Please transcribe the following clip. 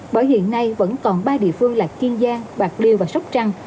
bởi hiện nay vẫn còn ba địa phương là kiên giang bạc liêu và sóc trăng